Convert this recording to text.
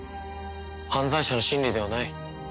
犯罪者の心理ではない。